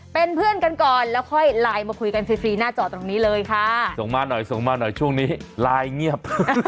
เป็นเพื่อนกันก่อนแล้วค่อยไลน์มาคุยกันฟรีหน้าจอตรงนี้เลยค่ะส่งมาหน่อยส่งมาหน่อยช่วงนี้ไลน์เงียบ